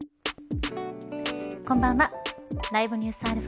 こんばんは。